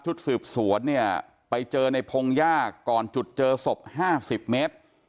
สืบสวนเนี่ยไปเจอในพงหญ้าก่อนจุดเจอศพ๕๐เมตร